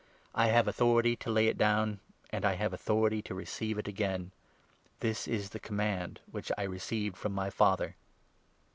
I have authority to lay it down, and I have authority to receive it again. This is the command which I received from my Father."